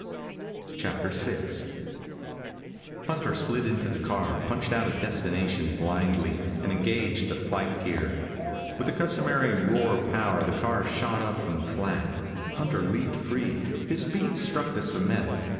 VI Hunter slid into the car, punched out a destination blindly, and engaged the flight gear. With the customary roar of power, the car shot up from the flat. Hunter leaped free. His feet struck the cement.